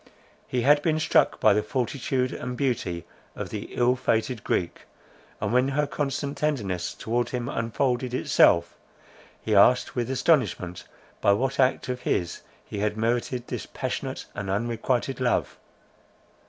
He had been struck by the fortitude and beauty of the ill fated Greek; and, when her constant tenderness towards him unfolded itself, he asked with astonishment, by what act of his he had merited this passionate and unrequited love.